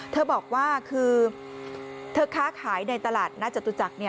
เธอบอกว่าคือเธอค้าขายในตลาดนัดจตุจักร